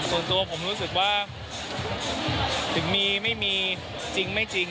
ส่วนตัวผมรู้สึกว่าถึงมีไม่มีจริงไม่จริง